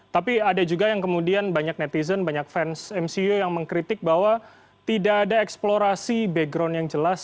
tapi ada juga yang kemudian banyak netizen banyak fans mcu yang mengkritik bahwa tidak ada eksplorasi background yang jelas